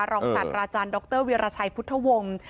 รองศัลราจารย์ดรวิราชัยพุทธวงศ์